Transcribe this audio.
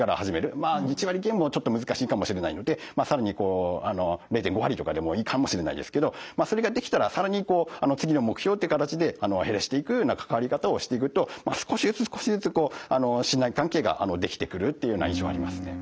まあ１割減もちょっと難しいかもしれないので更に０．５割とかでもいいかもしれないですけどそれができたら更にこう次の目標っていう形で減らしていくような関わり方をしていくと少しずつ少しずつ信頼関係ができてくるっていうような印象ありますね。